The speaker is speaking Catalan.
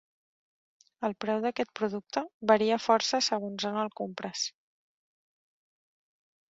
El preu d'aquest producte varia força segons on el compres.